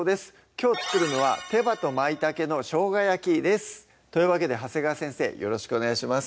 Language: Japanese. きょう作るのは「手羽と舞茸のしょうが焼き」ですというわけで長谷川先生よろしくお願いします